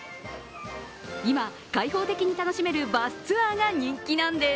今、開放的に楽しめるバスツアーが人気なんです。